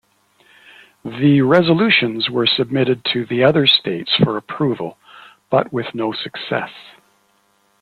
The resolutions were submitted to the other states for approval, but with no success.